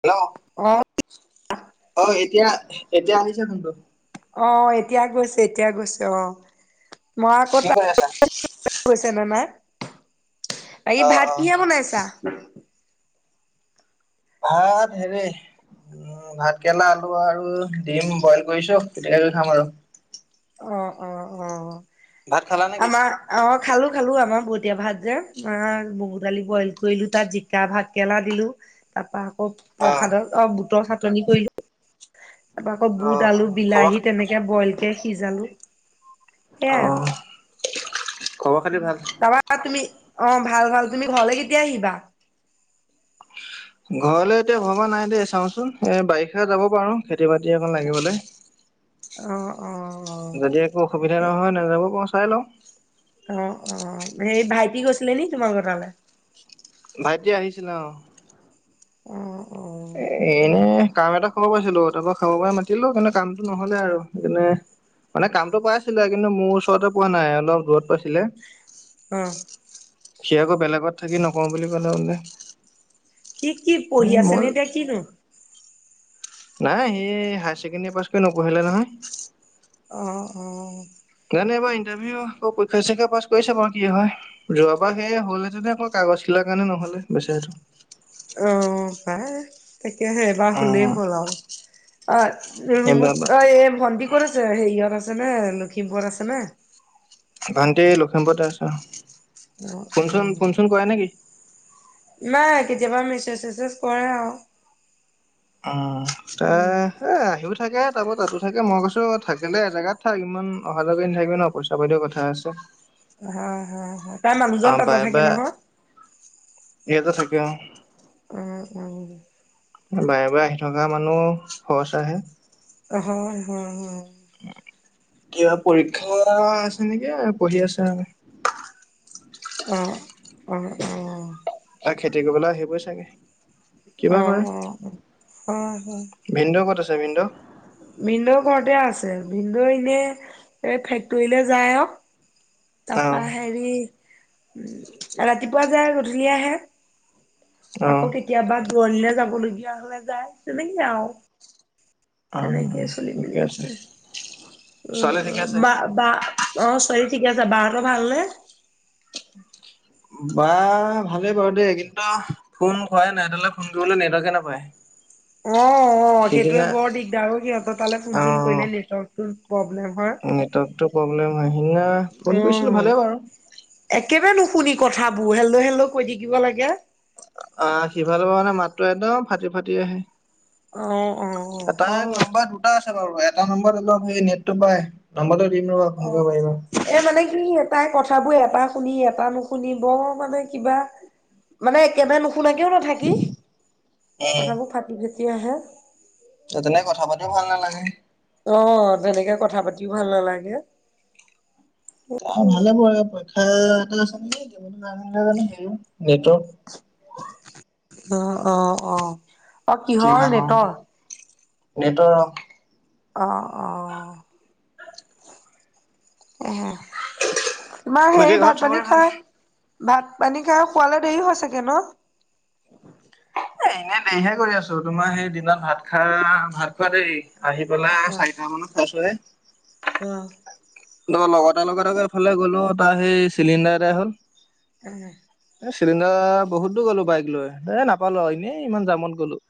Hello অ অ এতিয়া এতিয়া আহিছো কিন্তু অ এতিয়া গৈছে এতিয়া গৈছে অ মই আকৌ কি তাত কৰি আছা গৈছে নে নাই। বাকী অ ভাত অ কিহে বনাইছা? ভাত হেৰি উম ভাত কেৰেলা আলু আৰু দিম বইল কৰিছো পিটিকা কৰি খাম আৰু অ অ অ ভাত খালা নেকি আমাৰ অ খালো খালো আ আমাৰ বতীয়া ভাত যে মগু দালি বইল কৰিলো তাত জিকা ভাত কেৰেলা দিলো তাৰপা অ প্ৰসাদৰ অ বুটৰ চাটনি কৰিলো। তাৰপৰা আকৌ অ বুট আলু খবৰ বিলাহী তেনেকে বইলকে সিজালো। অহ তাপা তুমি অ ভাল ভাল তুমি ঘৰলে কেতিয়া আহিবা? ঘৰলৈ এতিয়া ভবা নাই দেই চাওচোন এ বাৰিষা যাব পাৰো খেতি বাতি অকণ লাগিবলৈ [inaudible] অ অ যদি একো অসুবিধা নহয় নাযাবো পাৰোঁ চাই লওঁ। অহ - অহ হেৰি ভাইটি গৈছিলে নি তোমালোকৰ তালে? ভাইটি আহিছিলে অহ। অহ এনে কাম এটা খবৰ পাইছিলো তাৰপৰা খাবৰ পৰা মাতিলো কিন্তু কামটো নহলে আৰু মানে মানে কামটো পাই আছিলে কিন্তু মোৰ ওচৰতে পোৱা নাই অলপ দূৰত পাইছিলে। অ সি আকৌ বেলেগত থাকি নকওঁ বুলি ক'লে বোলে সি, কি এ পঢ়ি আছে মই নে এতিয়া কিনো? নাই সি হায়াৰ ছেকেণ্ডৰী পাছ কৰি নপঢ়িলে নহয়। অহ কৈছাও বাৰু কি হয় যোৱাবাৰ সেয়ে হ'লেতেনে আকৌ কাগজ খিলাৰ কাৰণে নহলে বেচাৰটো অহ, পাই তাকেহে এবাৰ হলেই উম হ'ল আৰু অ', ৰুনু এইবাৰ অহ এই ভণ্টি ক'ত আছে হেৰিয়ত আছে আছে নে লখিমপুৰত আছে নে? ভণ্টি লখিমপুৰতে আছে। অ অ ফোনচোন -ফোনচোন কৰে নেকি? নাই কেতিয়াবা মেচেজ- চেচেজ কৰে আও। উম, তে এ আহিও থাকে [unintelligible] থাকে মই কৈছো থাকিলে এ জেগাত থাক ইমান অহা যোৱা কৰি নাথাকিবি ন' পইচা পাতিও কথা আছে। হা- হা তাইৰ অ মানুহজন তাতে বাৰে নাথাকে বাৰে নহয়। ইয়াতে থাকে অহ। [unintelligible] বাৰে- বাৰে আহি থকা মানুহ খৰচা হে হয়- হয় -হয় কিবা পৰীক্ষা আছে নেকি পঢ়ি আছে আৰু অহ -অহ-অহ - অহ তাই খেতি কৰিবলৈ আহিবই চাগে। অ অ অ কিবা কৰে হয় হয়। ভিন্দ ক'ত আছে ভিন্দ? ভিনদেউ ঘৰতে আছে, ভিনদেউ এনে এই ফেক্টৰীলে যায় আও তাৰপা আহ হেৰি উম ৰাতিপুৱা যায় গধূলি আহে। আহ আকৌ কেতিয়াবা দূৰণিলৈ যাবলগীয়া হলে যায় সেনেকৈ আৰু আহ এনেকেই চলি মেলি ঠিকে আছে। ছোৱালী ঠিকে উম, আছে বা -বা অহ চৰি ছোৱালী ঠিকে আছে, বা হঁতৰ ভালনে? [inaudible] বা ভালেই বাৰু দেই কিন্তু ফোন কৰাই নাই এইডালে ফোন কৰিবলৈ নেটৱৰ্কে নাপায়। অ', - অ ', সেইটোৱে সিদিনা বৰ দিগদাৰ সিহঁতৰ তালে ফোন চোন অ কৰিলে নেটৱৰ্কটো প্ৰব্লেম হয়। সিদনা ফোন অ কৰিছিলো ভালে বাৰু। একেবাৰে নুশুনি কথাবোৰ হেল্ল- হেল্ল কৈ থাকিব লাগে। আহ সিফালৰ পৰামানে মাতটো একদম ফাটি ফাটি আহে। অ', অ তাইৰ অ নম্বৰ দুটা আছে বাৰু, এটা নম্বৰত অলপ সেই নেটটো পাই নম্বৰটো দিম ৰ'বা ফোন কৰিব অহ, পাৰিবা এ মানে কি তাই কথাবোৰ এবাৰ শুনি এবাৰ নুশুনি বৰ মানে কিবা মানে একেবাৰে নুশু নোশুনাকে ও নাথাকি, কথাবোৰ ফাটি- ফটি আহে তেনেকে কথা পাতিও পোৱা এনেকে অহ, তেনেকে কথা পাতিও ভাল নালাগে। ভালে পৰে পৰীক্ষা এটা আছে নহয় অ'! অ'! অ'! অ'! কিবা কিহৰ হওঁতে নেটৰ? নেটৰ অ'! অ'! অ'! এ, তোমাৰ বাকী হেৰি ঘৰত ভাত পানী চবৰে ভাল খায় ভাত পানী খায়, শুৱালে দেৰি হয় চাগে ন? এ, এনে দেৰিহে কৰি আছোঁ। তোমাৰ সেই দিনত ভাত খা, ভাত খোৱা দেই। আহি পেলায় অ চাৰিটা মানত খাইছোঁহে। অ ত' লগৰ এটাৰ লগত এফালে গ'লো তাৰ সেই চিলিণ্ডাৰ এদাই হ'ল। [unintelligible] চিলিণ্ডাৰ বহুত দূৰ গ'লো বাইক লৈ। এ, নাপালোঁ এনেই ইমান যামত গলোঁ।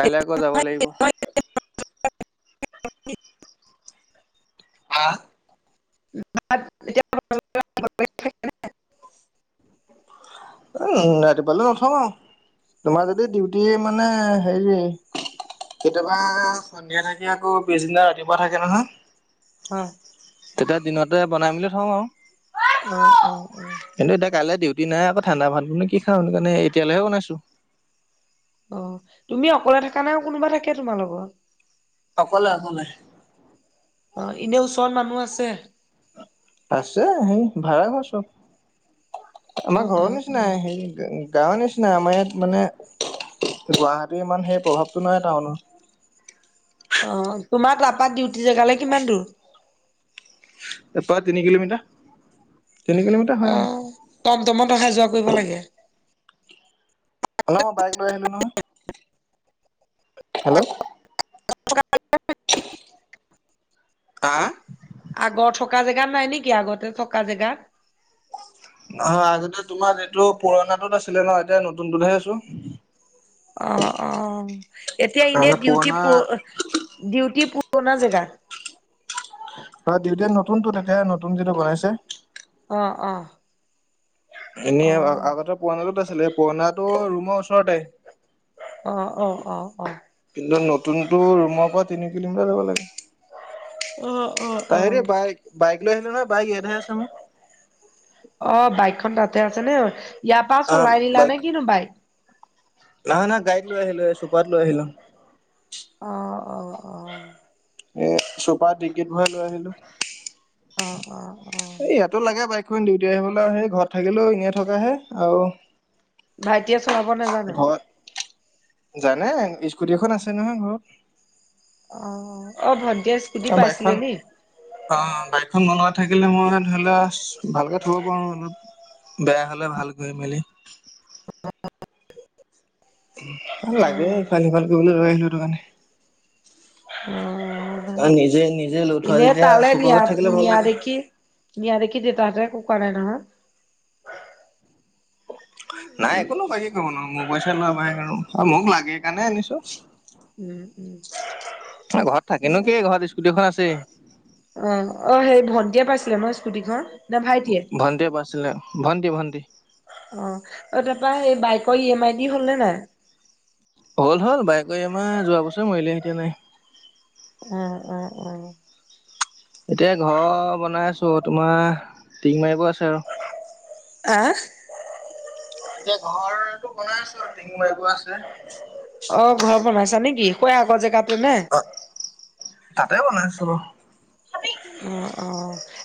কাইলে আকৌ যাব লাগিব। [unintelligible] হা! [unintelligible] উম, ৰাতিপুৱালে নথওঁ আও। তোমাৰ যদি ডিউটি মানে, হেৰি কেতিয়াবা, সন্ধিয়া থাকি আকৌ, পিছদিনা ৰাতিপুৱা থাকে নহয়। হয়! তেতিয়া দিনতে বনাই মেলি থওঁ আও। অ'! অ'! অ' কিন্তু, এতিয়া কাইলে ডিউটি নাই। আকৌ, ঠাণ্ডা ভাতনো কি খাওঁ, সেইটো কাৰণে এতিয়ালৈহে বনাইছোঁ। অ'! তুমি অকলে থাকা নে, কোনোবা থাকে তোমাৰ লগত? অকলে অকলে অ'! এনে ওচৰত মানুহ আছে? আছে। সেই, ভাড়া ঘৰ চব। আমাৰ অ' ঘৰৰ অ' অ'। নিচিনাই সেই গাঁৱৰ নিচিনা। আমাৰ ইয়াত মানে গুৱাহাটীৰ ইমান সেই প্ৰভাৱটো নহয় টাউনৰ। অ'! তোমাৰ তাৰপা ডিউটি জেগালৈ কিমান দূৰ? এয়াপা তিনি কিলোমিটাৰ। তিনি কিলোমিটাৰ হয় আৰু। এই, টমটমত অহা যোৱা কৰিব লাগে? অ'! মই বাইক লৈ আহিলোঁ নহয়। হেল্ল'? [unintelligible] [unintelligible] আগৰ থকা জেগাত নাই নেকি, আগতে থকা জেগাত? অ'! আগতে তোমাৰ যিটো পুৰণাটোত আছিলে ন'। এতিয়া নতুনটোতহে আছোঁ। অ'! অ'! এতিয়া এনে তাৰমানে ডিউটি পুৰণা প ডিউটি পুৰণা জেগা? হয়। ডিউটি নতুনটো এতিয়া নতুন যিটো বনাইছে। অ'! অ'! এনে অ আগতে, পুৰণাটোত আছিলে, পুৰণাটো ৰুমৰ ওচৰতে। অ'! অ'! অ'! অ'! কিন্তু নতুনটো ৰুমৰ পৰা তিনি কিলোমিটাৰ যাব লাগে। অ অ অ হেৰি বাইক, বাইক লৈ আহিলো নহয়। বাইক ইয়াতেহে আছে মোৰ। অ বাইকখন তাতে আছে নে ঐ? ইয়াৰ পৰা চলাই অ' নিলা নে বাইক কিনো বাইক? নহয়, নহয়, গাড়ীত লৈ আহিলোঁ। চুপাৰত লৈ আহিলোঁ। অ'! অ'! অ'! এ, চুপাৰ ডিকিট ভৰাই লৈ আহিলোঁ। অ'! অ'! অ'! ডিউটি আহিবলৈ, সেই ঘৰত থাকিলেও এনেই থকাহে আৰু ভাইটিয়ে চলাব নাজানে? ঘৰত জানে। স্কুটি এখন আছে নহয় ঘৰত। অ'! অ'! ভন্টিয়ে স্কুটি পাইছিলে বাইকখন নি? অ বাইকখন মোৰ লগত থাকিলে মই ধৰি লোৱা ভালকে থব পাৰো অলপ বেয়া হ'লে ভাল কৰি মেলি অ [unintelligible] অ লাগে ইফাল সিফাল কৰিবলৈ লৈ আহিলো সেইটো কাৰণে। অ আৰু ভালেই নিজে হ'ল। নিজে লৈ থোৱা এনে যেতিয়া তালৈ চকুৰ নিয়া আগত থাকিলে ভাল নিয়া লাগে দেখি নিয়া দেখি দেউতাহঁতে একো কৰা নাই নহয়? নাই একো নকয় কি কব নো মোৰ পইচাই লোৱা বাইক আৰু মোক লাগে কাৰণে আনিছো। উম উম ঘৰত থাকিনো কি ঘৰত স্কুটি এখন আছেই অ অ সেই ভন্টিয়ে পাইছে চিএমৰ স্কুটি খন না ভাইটিয়ে? ভন্টিয়ে পাইছিলে ভন্টি ভন্টি অ তাৰপৰা সেই বাইকৰ ই এম আই দি হ'ল নে নাই? হ'ল হ'ল বাইকৰ ই এম আই যোৱা বছৰে মৰিলে এতিয়া নাই। উঁ, উ, উ। এতিয়া ঘৰ বনাই আছো, তোমাৰ টিং মাৰিব আছে আৰু। আহ? এতিয়া ঘৰটো বনাই আছো টিঙ মাৰিব আছে। অ, ঘৰ বনাইছা নেকি? হৈ আগৰ জেগাত অ, তাতে বনাইছো বাৰু অহ, অহ।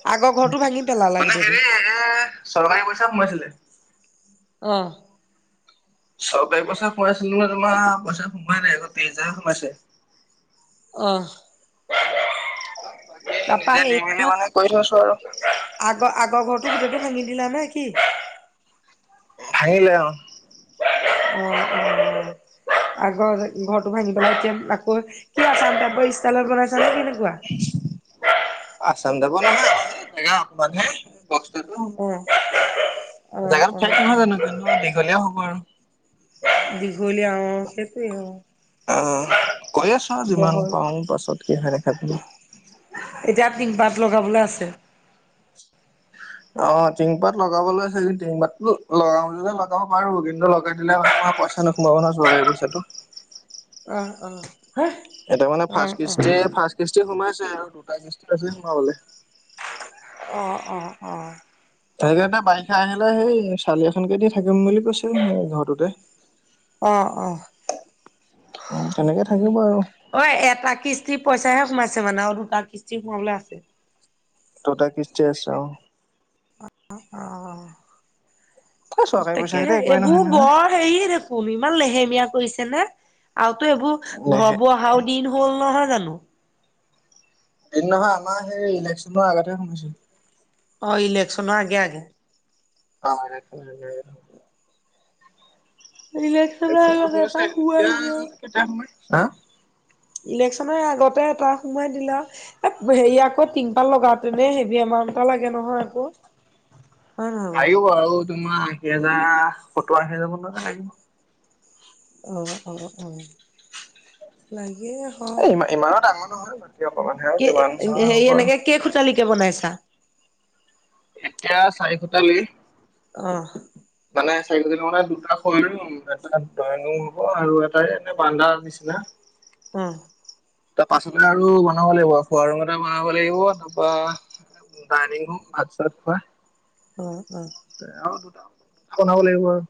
মানে হেৰি এ চৰকাৰী পইচা সোমাইছিলে অঁ। চৰকাৰী পইচা সোমাইছিলে মানে তোমাৰ পইচা সোমাই নাই অকল টিচ হাজাৰহে সোমাইছে। অহ বাকী তাৰাপা নিজে দি সেই মেলি মানে কৰি থৈছো আৰু নহয় আগৰ আগৰ ঘৰটো গোটেইটো ভাঙি দিলা নে কি? ভাঙিলে অ উম, উম আগৰ ঘৰটো ভাঙি পেলাই এতিয়া আকৌ কি আচাম টাইপৰ ষ্টাইলত বনাইছা? নে কেনেকুৱা? আছাম টাইপৰ নহয় আমাৰ এই জেগা অকমান হে। অ'। অ', জেগাটো অ', ঠেক নহয় অ', জানো কিন্তু দীঘলীয়াও হ'ব আৰু দীঘলীয়া অ সেইটোৱে অ আহ, কৰি আছো আৰু যিমান বহল পাওঁ পাছত কি হয় দেখা যাব। এতিয়া টিং পাত লগাবলৈ আছে অ, টিং পাত লগাব লৈছে যে টিং পাতো লগাও বুলিলে লগাব পাৰো, কিন্তু লগাই দিলে আকৌ তোমাৰ পইচা নোসোমাব নহয় চৰকাৰী পইচাটো অ, অ। হা এটা মানে অ', ফাৰ্ষ্ট অ', কৃষ্টিৰ এ ফাষ্ট কৃষ্টি সোমাইছে দুটা কৃষ্টি আছে সোমাবলে। অ, অ, অ। তাকে এটা বাৰিষা আহিলে সেই চালি এখনকে দি থাকিম বুলি কৈছিলো সেই ঘৰটোতে। অহ, অহ। অ, তেনেকে থাকিম অই এটা কিস্তি পইচাহে সোমাইছে মানে আৰু দুটা কিস্তি সোমাবলৈ আছে। দুটা কিষ্টি আছে অ। অ'। এ চৰকাৰী পইচা তাকেহে কেইটা একোৱেই নহয় এইবোৰ নহয় বৰ হেৰি দেখোন ইমান লেহেমীয়া কৰিছে নে? আৰু এইবোৰ নেহে ঘৰবোৰ অহাও দিন হ'ল নহয় জানো? দিন নহয় আমাৰ সেই ইলেকশচনৰ আগতে শুনিছো। অ, ইলেকশন আগে-আগে। অ। ইলেকশ্যনৰ আগত এতিয়া এটা সোমাল সময় হা ইলেকশ্যনে আগতে এটা সোমাই দিলে আৰু এ হেৰি আকৌ টিংপাল লগাওতেনে হেবি আমাৰ লাগে নহয় আকৌ। হয় নহয় বাও? লাগিব আৰু তোমাৰ আশী হাজাৰ, সত্তৰ আশী হেজাৰ মান টকা লাগিব। অ, অ, অ লাগ গি হ এ ইমান ইমানো ডাঙৰ নহয় মাটি অকমানহে আৰু কে যিমান হয় হেৰি হ'ব আৰু। এনেকে কে খুটালি কে বনাইছা? এতিয়া চাৰি কোঠালি। অ। মানে চাৰি খুটালি মানে দুটা খলো এটানু হব আৰু এটাই এনে বানধাৰ নিচিনা। উহ। তাৰ পাছতে আৰু বনাব লাগিব খোৱা ৰুমতে বনাব লাগিব তাৰপৰা ডাইনিং ৰুম, ভাত-চাত খোৱা অ অ। আৰু দুটা বনাব লাগিব আৰু।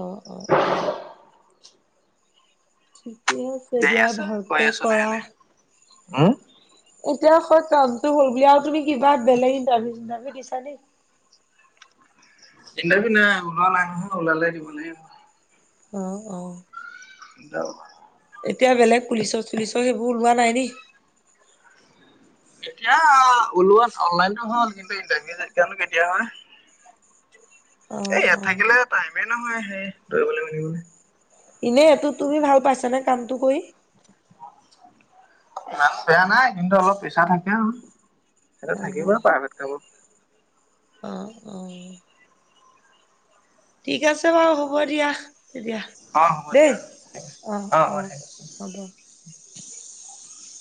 অ অ অ। ঠিকে আছে যাই দিয়া আছো কৈ ভালকে আছো লাহে কৰা। লাহে। উম এতিয়া হয় কামটো হল বুলি আৰু তুমি কিবা বেলেগ ইণ্টাৰভিউ চিটাৰভিউ দিছা নে? ইন্টাৰভিউ নাই উলোৱা নাই ওলালে দিব লাগিব। অহ অহ। দগা এতিয়া বেলেগ পুলিচত চুলিচৰ সেইবোৰ ওলোৱা নাই নি? এতিয়া ওলোৱা অনলাইনত হ'ল কিন্তু ইন্টাৰভিউ কেতিয়া হয়? এ অ', ইয়াত অ'। থাকিলে টাইমে নহয় সেই দৌৰিবলৈ মেলিবলৈ। এনে এইটো তুমি ভাল পাইছানে কামটো কৰি? না বেয়া নাই কিন্তু অলপ পেচা থাকে আও। সেইটো থাকিব অ'। প্ৰাইভেট কামত। অ অ। ঠিক আছে বাৰু হ'ব দিয়া। তেতিয়া, অ হ'ব দেই দিয়া অ অ হ'ব। [inaudible]